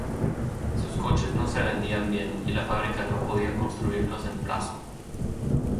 Sus coches no se vendían bien, y la fábrica no podía construirlos en plazo.